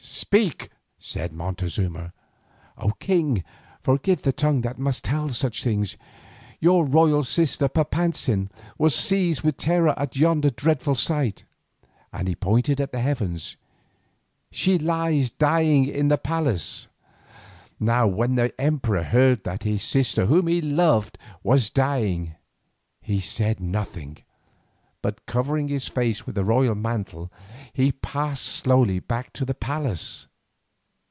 "Speak," said Montezuma. "O king, forgive the tongue that must tell such tidings. Your royal sister Papantzin was seized with terror at yonder dreadful sight," and he pointed to the heavens; "she lies dying in the palace!" Now when the emperor heard that his sister whom he loved was dying, he said nothing, but covering his face with his royal mantle, he passed slowly back to the palace.